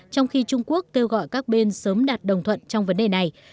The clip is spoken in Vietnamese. trong khi trung quốc kêu gọi các bên sớm đạt đồng thuận trong vấn đề này